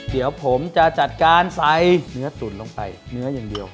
เดี๋ยวผมจะจัดการใส่เนื้อตุ๋นลงไปเนื้ออย่างเดียว